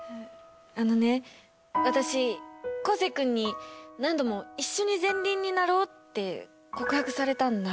あのね私昴生君に何度も一緒に前輪になろうって告白されたんだ。